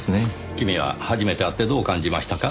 君は初めて会ってどう感じましたか？